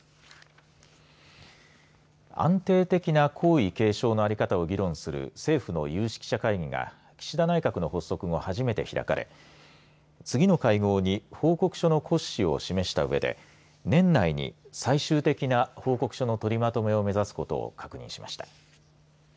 安定的な皇位継承の在り方を議論する政府の有識者会議が岸田内閣の発足後、初めて開かれ次の会合に報告書の骨子を示したうえで年内に最終的な報告書の取りまとめを目指すことを確認しました。